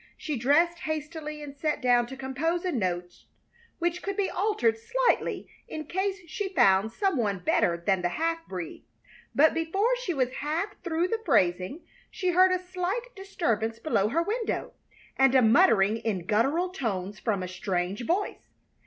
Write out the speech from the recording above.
She dressed hastily and sat down to compose a note which could be altered slightly in case she found some one better than the half breed; but before she was half through the phrasing she heard a slight disturbance below her window and a muttering in guttural tones from a strange voice.